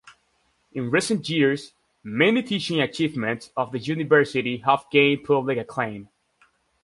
In recent years, many teaching achievements of the university have gained public acclaim.